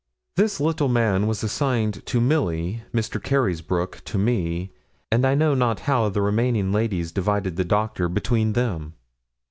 This little man was assigned to Milly, Mr. Carysbroke to me, and I know not how the remaining ladies divided the doctor between them.